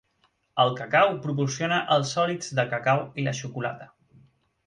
El cacau proporciona els sòlids de cacau i la xocolata.